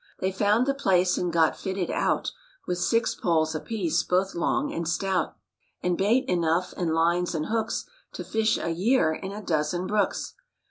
They found the place and got fitted out With six poles apiece both long and stout, And bait enough and lines and hooks To fish a year in a dozen brooks.